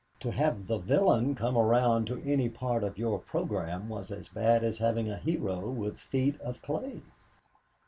To have the villain come around to any part of your program was as bad as having a hero with feet of clay.